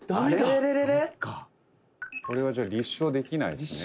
「これはじゃあ立証できないですね」